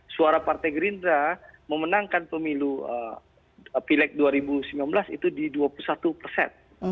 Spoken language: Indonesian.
suara partai gerindra memenangkan pemilu pileg dua ribu sembilan belas itu di dua puluh satu persen